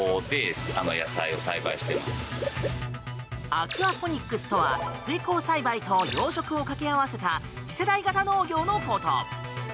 アクアポニックスとは水耕栽培と養殖を掛け合わせた次世代型農業のこと。